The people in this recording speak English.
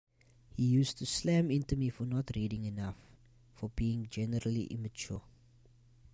He used to slam into me for not reading enough, for being generally immature.